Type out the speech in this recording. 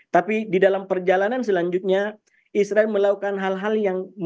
tapi di dalam perjalanan selanjutnya israel melakukan hal hal yang